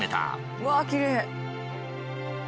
うわきれい！